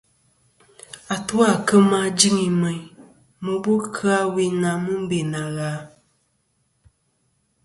Atu à kema jɨŋi meyn, mɨ bu kɨ-a wi na mɨ be na gha.